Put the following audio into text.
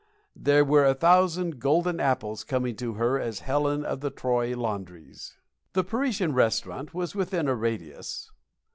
There were a thousand golden apples coming to her as Helen of the Troy laundries. The Parisian Restaurant was within a radius.